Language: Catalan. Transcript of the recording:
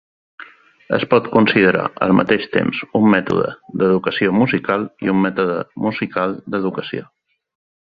Es pot considerar al mateix temps un mètode d'educació musical i un mètode musical d'educació.